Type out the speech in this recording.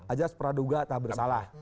aja praduga tak bersalah